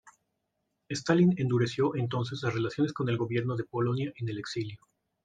Stalin endureció entonces las relaciones con el Gobierno de Polonia en el Exilio.